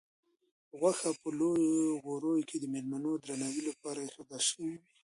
غوښه په لویو غوریو کې د مېلمنو د درناوي لپاره ایښودل شوې وه.